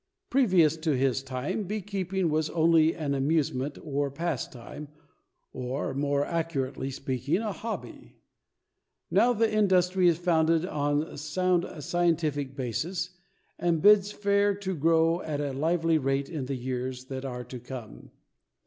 Previous to his time beekeeping was only an amusement or pastime, or more accurately speaking, a hobby. Now, the industry is founded on a sound scientific basis and bids fair to grow at a lively rate in the years that are to come.